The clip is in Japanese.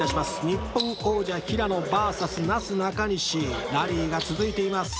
日本王者平野ＶＳなすなかにしラリーが続いています